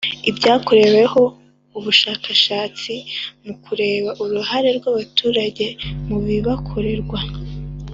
Ibyakoreweho bushakashatsi mu kureba uruhare rw abaturage mu bibakorerwa